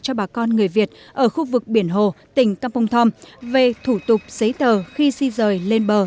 cho bà con người việt ở khu vực biển hồ tỉnh campuchia vũ quang minh về thủ tục giấy tờ khi si rời lên bờ